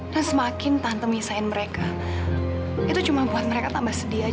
dan semakin tante merisain mereka itu cuma buat mereka tambah sedih aja tante